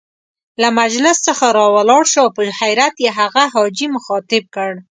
له مجلس څخه را ولاړ شو او په حيرت يې هغه حاجي مخاطب کړ.